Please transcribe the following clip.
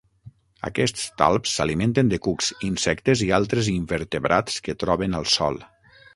Aquests talps s'alimenten de cucs, insectes i altres invertebrats que troben al sòl.